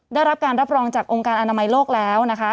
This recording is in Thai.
ได้รับการรับรองจากองค์การอนามัยโลกแล้วนะคะ